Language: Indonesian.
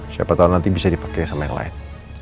siapa tau nanti bisa dipake sama yang lain